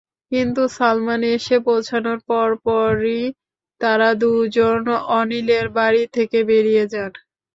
কিন্তু সালমান এসে পৌঁছানোর পরপরই তাঁরা দুজন অনিলের বাড়ি থেকে বেরিয়ে যান।